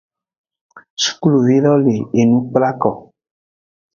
Sukluvi lo le enu kplako.